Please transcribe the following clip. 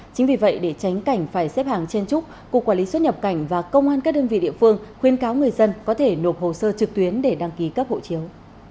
chính vì vậy để tránh cảnh phải xếp hàng trên trúc cục quản lý xuất nhập cảnh và công an các đơn vị địa phương khuyên cáo người dân có thể nộp hồ sơ trực tuyến để đăng ký cấp hộ chiếu